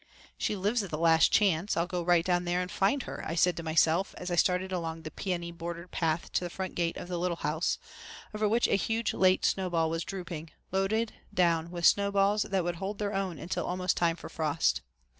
"She lives at the Last Chance and I'll go right down there and find her," I said to myself, as I started along the peony bordered path to the front gate of the Little House, over which a huge late snowball was drooping, loaded down with snowy balls that would hold their own until almost the time for frost.